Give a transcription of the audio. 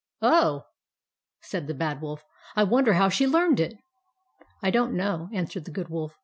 " Oh !" said the Bad Wolf. " I wonder how she learned it." " I don't know," answered the Good Wolf.